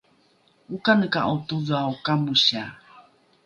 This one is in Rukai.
okaneka’o todhao kamosia?